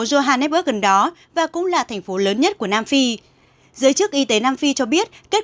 johannesburg gần đó và cũng là thành phố lớn nhất của nam phi giới chức y tế nam phi cho biết kết